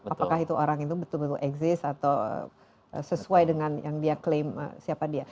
apakah itu orang itu betul betul exis atau sesuai dengan yang dia klaim siapa dia